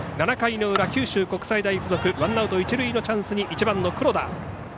７回裏、九州国際大付属ワンアウト、一塁のチャンスに１番の黒田。